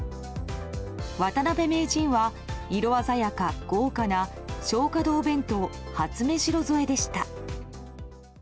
渡辺名人は色鮮やか豪華な松花堂弁当はつめじろ添えでした。